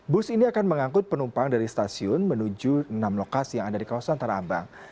bus ini akan mengangkut penumpang dari stasiun menuju enam lokasi yang ada di kawasan tanah abang